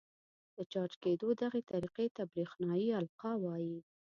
د چارج کېدو دغې طریقې ته برېښنايي القاء وايي.